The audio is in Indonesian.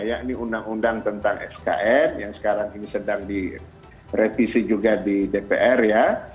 yakni undang undang tentang skm yang sekarang ini sedang direvisi juga di dpr ya